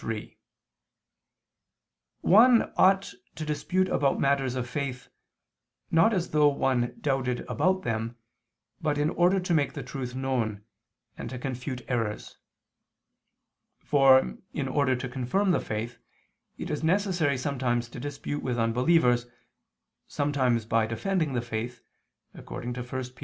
3: One ought to dispute about matters of faith, not as though one doubted about them, but in order to make the truth known, and to confute errors. For, in order to confirm the faith, it is necessary sometimes to dispute with unbelievers, sometimes by defending the faith, according to 1 Pet.